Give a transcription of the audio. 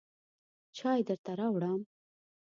چای درته راوړم.